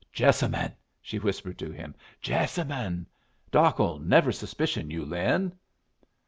"Jessamine!" she whispered to him. "Jessamine! Doc'll never suspicion you, Lin."